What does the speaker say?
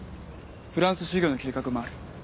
フランス修業の計画もある。